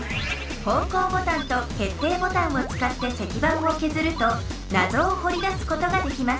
方こうボタンとけっていボタンをつかって石版をけずるとなぞをほり出すことができます。